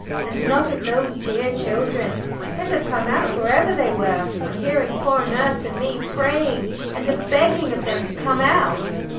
And not of those dear children: they'd have come out wherever they were, on hearing poor nurse and me a praying and a begging of them to come out."